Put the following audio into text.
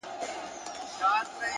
پرمختګ د کوچنیو بدلونونو ټولګه ده